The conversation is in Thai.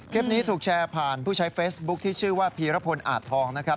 คลิปนี้ถูกแชร์ผ่านผู้ใช้เฟซบุ๊คที่ชื่อว่าพีรพลอาจทองนะครับ